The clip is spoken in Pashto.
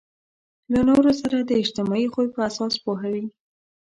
له نورو سره د اجتماعي خوی په اساس پوهوي.